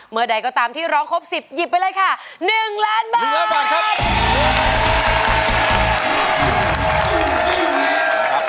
เมื่อใดก็ตามที่ร้องครบ๑๐หยิบไปเลยค่ะ๑ล้านบาทครับ